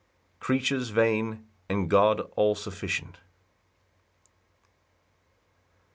C. M. Creatures vain, and God all sufficient.